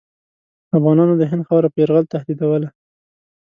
افغانانو د هند خاوره په یرغل تهدیدوله.